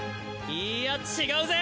いいや違うぜ。